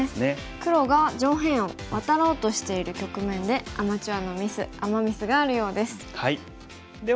黒が上辺をワタろうとしている局面でアマチュアのミスアマ・ミスがあるようです。